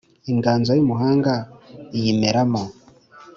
inganzo y' umuhanga iyimeramo